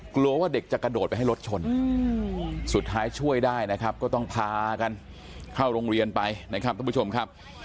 กลัวว่าเด็กจะกระโดดไปให้รถชนสุดท้ายช่วยได้นะครับก็ต้องพากันเข้าโรงเรียนไปนะครับทุกผู้ชมครับ